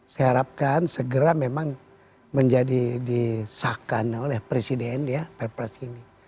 saya harapkan segera memang menjadi disahkan oleh presiden ya perpres ini